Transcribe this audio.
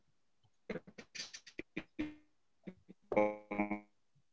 mainkan coach dari bali doang yang seleksi